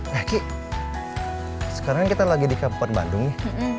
nah ki sekarang kita lagi di kabupaten bandung nih